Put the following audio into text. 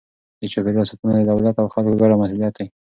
د چاپیریال ساتنه د دولت او خلکو ګډه مسئولیت دی.